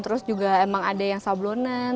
terus juga emang ada yang sablonan